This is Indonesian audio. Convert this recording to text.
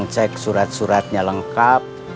nanti cecep transfer yang setengah pembayarannya